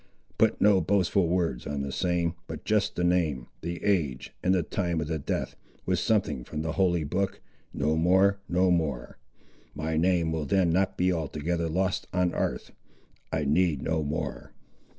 Put no boastful words on the same, but just the name, the age, and the time of the death, with something from the holy book; no more no more. My name will then not be altogether lost on 'arth; I need no more."